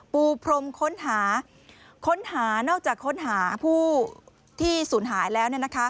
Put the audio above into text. ปูพรมค้นหาค้นหานอกจากค้นหาผู้ที่สูญหายแล้ว